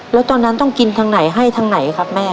แล้วตอนนั้นต้องกินทางไหนให้ทางไหนครับแม่